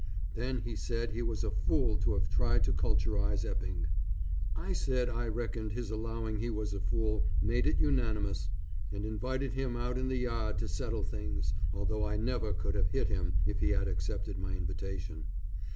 Then he said he was a fool to have tried to culturize Epping. I said I reckoned his allowing he was a fool, made it unanimous, and invited him out in the yard to settle things, although I never could have hit him, if he had accepted my invitation.